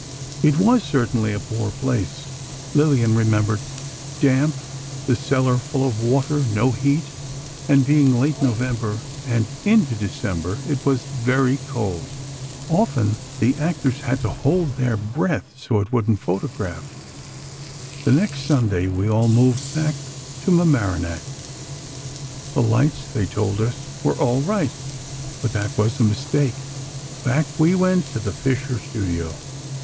"It was certainly a poor place," Lillian remembered; "Damp, the cellar full of water, no heat, and being late November and into December, it was very cold. Often, the actors had to hold their breath so it wouldn't photograph. The next Sunday we all moved back to Mamaroneck. The lights, they told us, were all right, but that was a mistake. Back we went to the Fischer studio.